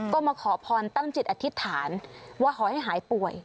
ก็มาขอพรตั้งจิตอธิษฐานว่าขอให้หายป่วย